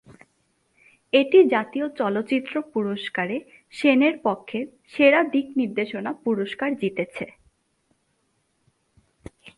এটি জাতীয় চলচ্চিত্র পুরস্কারে সেনের পক্ষে সেরা দিকনির্দেশনা পুরস্কার জিতেছে।